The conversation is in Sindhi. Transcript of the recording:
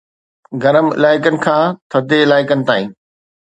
گرم علائقن کان ٿڌي علائقن تائين